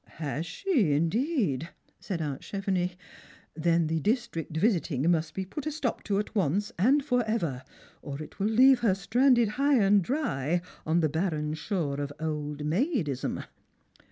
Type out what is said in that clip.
" Has she, indeed ?" said aunt Chevenix ;" then the district visiting must be put a stop to at once and for ever, or it will leave her stranded high and dry on the barren shore of old maidism.